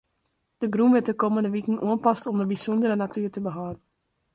De grûn wurdt de kommende wiken oanpast om de bysûndere natuer te behâlden.